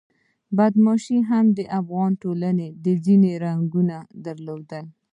بدماشي هم د افغان ټولنې ځینې رنګونه درلودل.